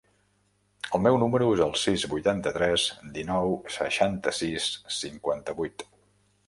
El meu número es el sis, vuitanta-tres, dinou, seixanta-sis, cinquanta-vuit.